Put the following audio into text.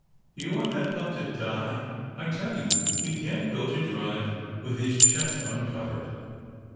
" Do you want that pup to die — I tell you, he can't go to drive with his chest un covered."